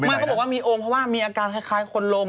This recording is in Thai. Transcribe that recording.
ไปอย่างนั้นเขาบอกว่ามีองค์เพราะว่ามีอาการคล้ายให้คนลง